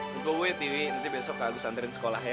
tunggu tini nanti besok kak agus anterin sekolah ya